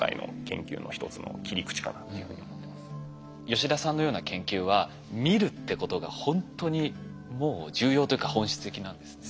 吉田さんのような研究は見るってことがほんとにもう重要というか本質的なんですね。